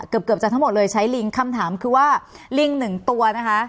เกือบเกือบจะทั้งหมดเลยใช้ลิงคำถามคือว่าลิงหนึ่งตัวนะคะ